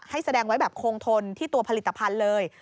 แสดงไว้แบบคงทนที่ตัวผลิตภัณฑ์เลย